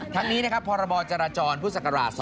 ทั้งนี้นะครับพรจรจรพศ๒๕๒๒